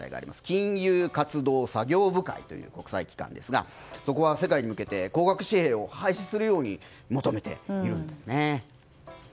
金融活動作業部会という国際機関ですがそこは世界に向けて高額紙幣を廃止するよう求めているんですね。